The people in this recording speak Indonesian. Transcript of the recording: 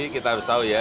kita harus tahu ya